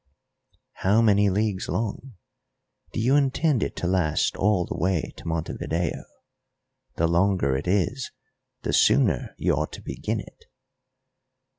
"How many leagues long? Do you intend it to last all the way to Montevideo? The longer it is the sooner you ought to begin it."